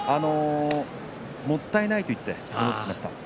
もったいないと言って帰ってきました。